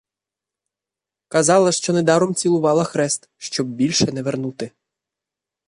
Казала, що недаром цілувала хрест, щоб більше не вернути.